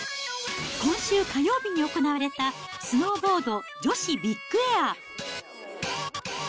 今週火曜日に行われた、スノーボード女子ビッグエア。